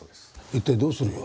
一体どうするよ？